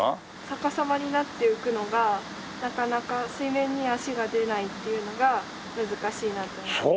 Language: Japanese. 逆さまになって浮くのがなかなか水面に足が出ないっていうのが難しいなって思います。